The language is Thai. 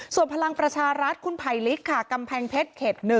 ส่วนพลังประชาราชคุณไพริกค่ะกำแพงเพชร๑